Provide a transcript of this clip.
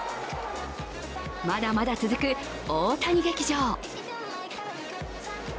まだまだ続く大谷劇場。